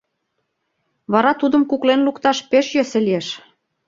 Вара тудым куклен лукташ пеш йӧсӧ лиеш.